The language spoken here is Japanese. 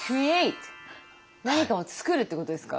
何かをつくるってことですか？